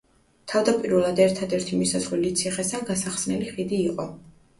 თავდაპირველად ერთადერთი მისასვლელი ციხესთან გასახსნელი ხიდი იყო.